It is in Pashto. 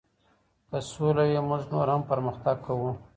که سوله وي موږ نور هم پرمختګ کوو.